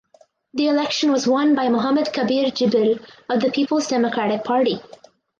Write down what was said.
The election was won by Mohammed Kabir Jibril of the Peoples Democratic Party.